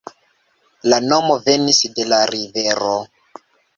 La nomo venis de la rivero.